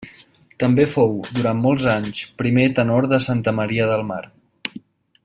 També fou, durant molts anys, primer tenor de Santa Maria del Mar.